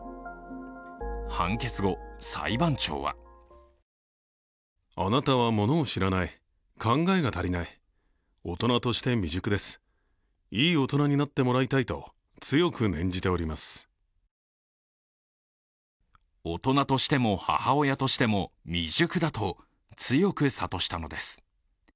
判決後、裁判長は大人としても、母親としても未熟だと強く諭したのです。